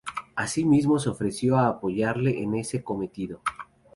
Asimismo se ofreció a apoyarle en este cometido.